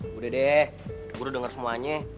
gue udah denger semuanya